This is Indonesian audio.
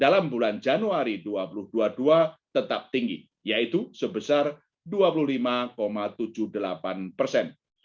dalam bulan januari dua ribu dua puluh dua tetap tinggi yaitu sebesar dua puluh lima tujuh puluh delapan persen